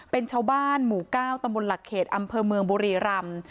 เป็นชาวบ้านหมู่๙ตำบลหลักเขตอำเภอเมืองบุรีรำ